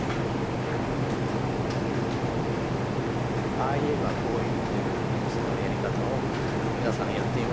「ああ言えばこう言う」という演奏のやり方を皆さんやってみませんか。